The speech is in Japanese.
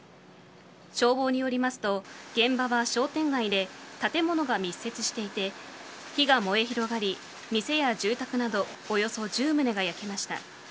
消防によりますと現場は商店街で建物が密接していて火が燃え広がり、店や住宅などおよそ１０棟が焼けました。